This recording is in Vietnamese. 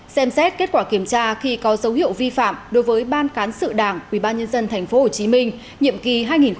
xem xét kết quả kiểm tra khi có dấu hiệu vi phạm đối với ban cán sự đảng ubnd tp hcm nhiệm kỳ hai nghìn một mươi sáu hai nghìn một mươi sáu